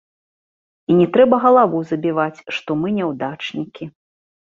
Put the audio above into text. І не трэба галаву забіваць, што мы няўдачнікі.